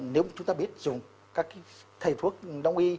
nếu chúng ta biết dùng các cái thầy thuốc đóng y